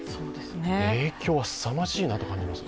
影響はすさまじいなと感じます。